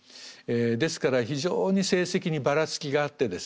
ですから非常に成績にばらつきがあってですね。